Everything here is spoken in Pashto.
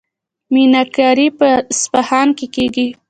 میناکاري په اصفهان کې کیږي.